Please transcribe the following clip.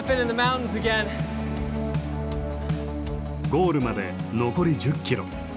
ゴールまで残り１０キロ。